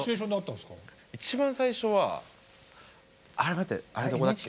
一番最初はあれ待ってあれどこだっけ？